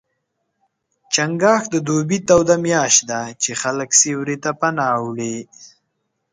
چنګاښ د دوبي توده میاشت ده، چې خلک سیوري ته پناه وړي.